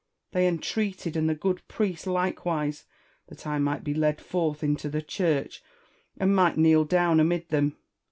They entreated, and the good priest likewise, that I might be led forth into the church, and might kneel down amid them.